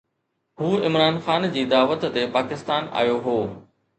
هو عمران خان جي دعوت تي پاڪستان آيو هو.